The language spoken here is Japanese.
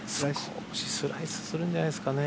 スライスするんじゃないですかね。